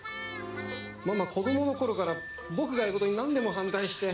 ママ子どもの頃から僕がやることになんでも反対して。